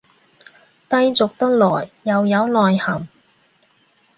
低俗得來又有內涵